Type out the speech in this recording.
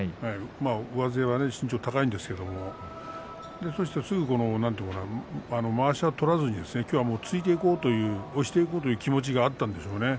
上背は、身長高いんですがそして、すぐにまわしは取らずきょうは突いていこう押していこうという気持ちがあったんでしょうね。